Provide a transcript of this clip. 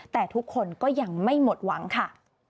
แต่ทุกคนก็ยังไม่หมดหวังค่ะ